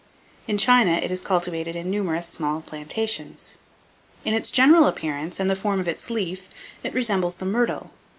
In China it is cultivated in numerous small plantations. In its general appearance, and the form of its leaf, it resembles the myrtle.